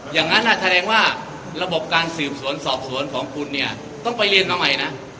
อย่างนั้นแสดงว่าระบบการสืบสวนสอบสวนของคุณเนี่ยต้องไปเรียนมาใหม่นะ